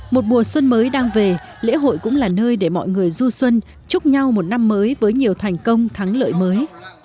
một mùa xuân mới đang về lễ hội cũng là nơi để mọi người du xuân chúc nhau một năm mới với nhiều thành công thắng lợi mới